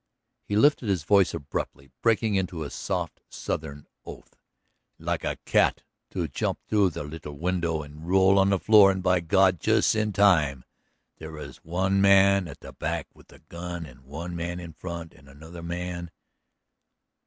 He lifted his voice abruptly, breaking into a soft Southern oath. "Like a cat, to jump through the little window an' roll on the floor an' by God, jus' in time. There is one man at the back with a gun an' one man in front an' another man